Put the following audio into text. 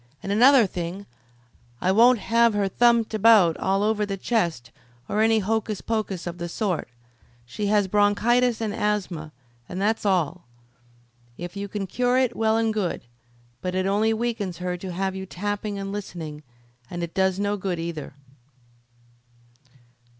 And another thing, I won't have her thumped about all over the chest, or any hocus pocus of the sort. She has bronchitis and asthma, and that's all. If you can cure it well and good. But it only weakens her to have you tapping and listening, and it does no good either."